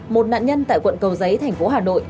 một nạn nhân tại quận cầu giấy tp hà nội